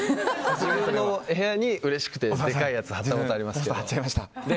自分の部屋に、うれしくてでかいやつ貼ったことありますけど。